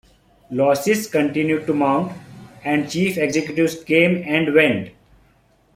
Losses continued to mount, and chief executives came and went.